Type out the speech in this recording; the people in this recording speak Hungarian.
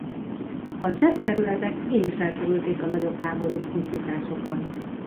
A cseh területek így is elkerülték a nagyobb háborús pusztításokat.